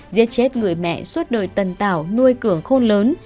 giết chết người mẹ suốt đời tần tảo nuôi cường khôn lớn